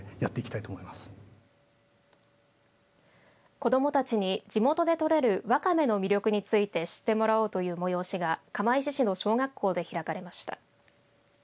子どもたちに、地元で取れるワカメの魅力について知ってもらおうという催しが釜石市の小学校で開かれました。